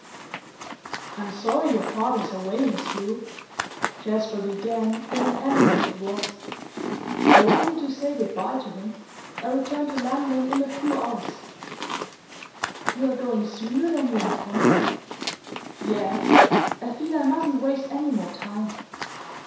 'I'm sorry your father is away, Miss Yule,' Jasper began, in an animated voice. 'I wanted to say good bye to him. I return to London in a few hours.' 'You are going sooner than you intended?' 'Yes, I feel I mustn't waste any more time.